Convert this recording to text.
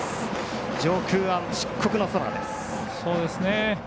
上空は漆黒の空です。